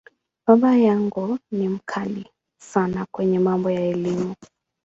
Baba yangu ni ‘mkali’ sana kwenye mambo ya Elimu.